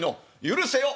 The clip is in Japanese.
許せよ！」。